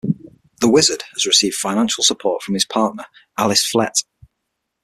The Wizard has received financial support from his partner, Alice Flett.